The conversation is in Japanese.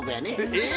えっ！